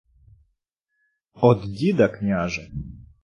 — Од діда, княже.